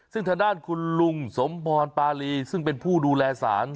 ซึ่งทางด้านคุณลุงสมพรปารีซึ่งเป็นผู้ดูแลสาร